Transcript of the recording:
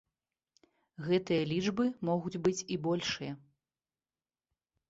Гэтыя лічбы могуць быць і большыя.